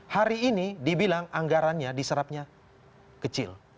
hari ini dibilang anggarannya diserapnya kecil